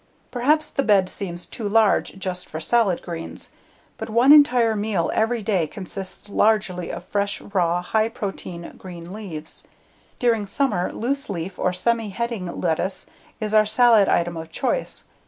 Perhaps the bed seems too large just for salad greens. But one entire meal every day consists largely of fresh, raw, high protein green leaves; during summer, looseleaf or semiheading lettuce is our salad item of choice.